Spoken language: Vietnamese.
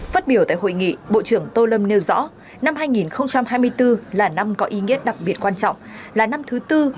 phát biểu tại hội nghị bộ trưởng tô lâm nêu rõ năm hai nghìn hai mươi bốn là năm có ý nghĩa đặc biệt quan trọng là năm thứ tư